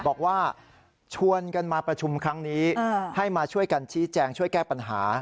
บอกว่าชวนกันมาประชุมครั้งนี้ให้มาช่วยกันชี้แจงช่วยแก้ปัญหา